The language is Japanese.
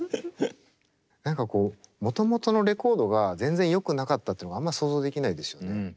何かこうもともとのレコードが全然よくなかったというのがあんま想像できないですよね。